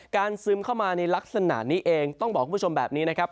ซึมเข้ามาในลักษณะนี้เองต้องบอกคุณผู้ชมแบบนี้นะครับ